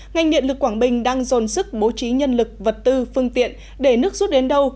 ngành điện lực quảng bình đang dồn sức bố trí nhân lực vật tư phương tiện để nước rút đến đâu